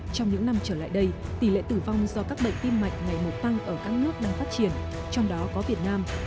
trong những năm trở lại đây tỷ lệ tử vong do các bệnh tim mạch ngày một tăng ở các nước đang phát triển trong đó có việt nam